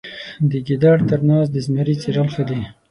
د ګیدړ تر ناز د زمري څیرل ښه دي.